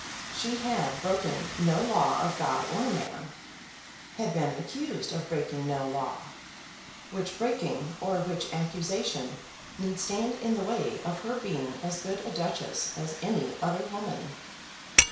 She had broken no law of God or man, had been accused of breaking no law, which breaking or which accusation need stand in the way of her being as good a duchess as any other woman!